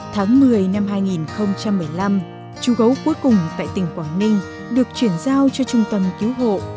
tháng một mươi năm hai nghìn một mươi năm chú gấu cuối cùng tại tỉnh quảng ninh được chuyển giao cho trung tâm cứu hộ